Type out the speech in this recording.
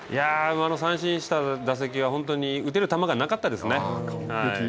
今の三振した打席は本当に打てる球がなかったですね。